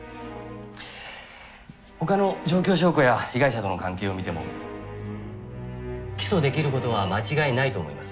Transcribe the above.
ほかの状況証拠や被害者との関係を見ても起訴できることは間違いないと思います。